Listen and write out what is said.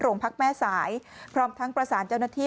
พักแม่สายพร้อมทั้งประสานเจ้าหน้าที่